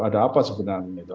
ada apa sebenarnya itu